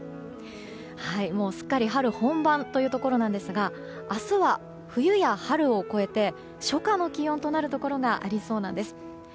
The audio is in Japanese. すっかり春本番というところなんですが明日は冬や春を超えて初夏の気温となるところがありそうなんです。